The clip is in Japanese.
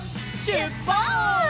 しゅっぱつ！